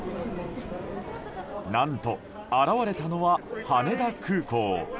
何と現れたのは羽田空港。